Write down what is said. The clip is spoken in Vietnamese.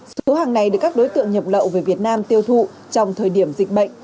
số hàng này được các đối tượng nhập lậu về việt nam tiêu thụ trong thời điểm dịch bệnh